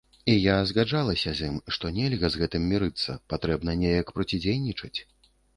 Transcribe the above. І я згаджалася з ім, што нельга з гэтым мірыцца, патрэбна неяк процідзейнічаць.